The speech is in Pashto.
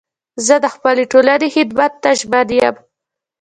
زه د خپلي ټولني خدمت ته ژمن یم.